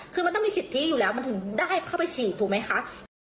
คือมันต้องมีสิทธิอยู่แล้วมันถึงได้เข้าไปฉีดถูกไหมคะ